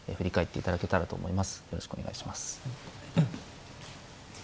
よろしくお願いします。